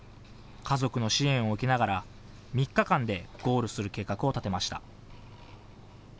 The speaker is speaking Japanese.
家族の支援を受けながら３日間でゴールする計画を立てました。